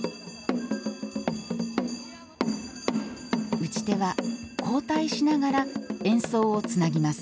打ち手は交代しながら演奏をつなぎます。